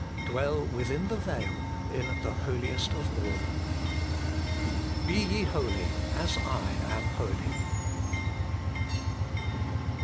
Dwell, within the veil, in the Holiest of all BE YE HOLY, AS I AM HOLY.